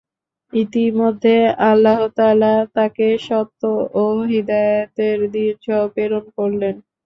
ইতিমধ্যে আল্লাহ তাআলা তাকে সত্য ও হিদায়াতের দীনসহ প্রেরণ করলেন।